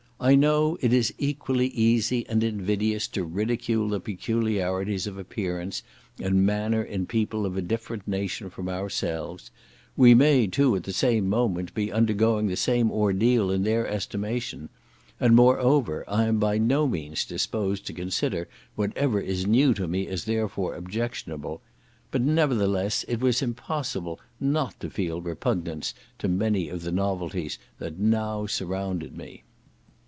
I know it is equally easy and invidious to ridicule the peculiarities of appearance and manner in people of a different nation from ourselves; we may, too, at the same moment, be undergoing the same ordeal in their estimation; and, moreover, I am by no means disposed to consider whatever is new to me as therefore objectionable; but, nevertheless, it was impossible not to feel repugnance to many of the novelties that now surrounded me.